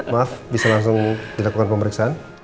maaf bisa langsung dilakukan pemeriksaan